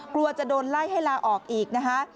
กลัวจะโดนไล่ให้ลาออกอีกนะคะ